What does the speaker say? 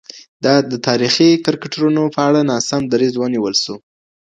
د تاريخي کرکټرونو په اړه ناسم دريځ ونيول سو.